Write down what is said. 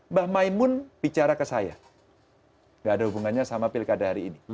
mbah maimun bicara ke saya gak ada hubungannya sama pilkada hari ini